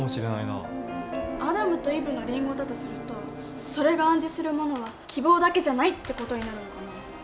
アダムとイブのリンゴだとするとそれが暗示するものは希望だけじゃないって事になるのかな。